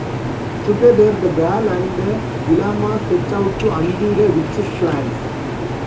Together, the girl and the llama set out to undo the witch's plans.